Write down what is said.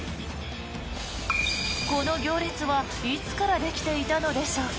この行列はいつからできていたのでしょうか。